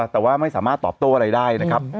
แต่ว่าไม่สามารถตอบโต้อะไรได้นะครับ